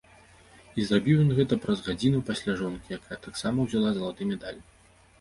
І зрабіў ён гэта праз гадзіну пасля жонкі, якая таксама ўзяла залаты медаль.